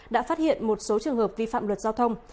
đã phát hiện một số trường hợp vi phạm luật giao thông